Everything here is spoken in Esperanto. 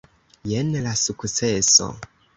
Jen la sukceso.